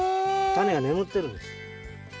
タネが眠ってるんです。